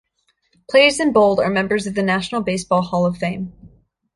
Players in Bold are members of the National Baseball Hall of Fame.